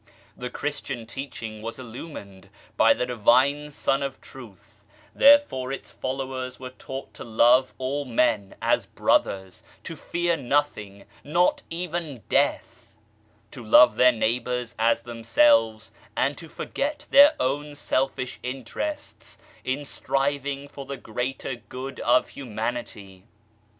The Christian Teaching was illumined by the Divine Sun of Truth, therefore its followers were taught to love all men as brothers, to fear nothing, not even death / To love their neighbours as themselves, and to forget their own selfish interests in striving for the greater good of human ity.